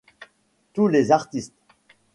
Tous les artistes.